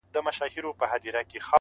فکر بدلېږي نو لوری بدلېږي,